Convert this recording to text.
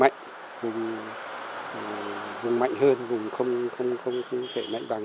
có vùng mạnh hơn vùng không thể mạnh bằng